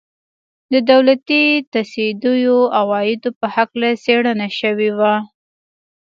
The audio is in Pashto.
د دولتي تصدیو عوایدو په هکله څېړنه شوې وه.